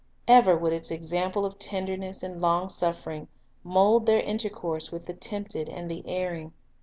Ever would its example of tenderness and long suffering mould their intercourse with the tempted and the erring.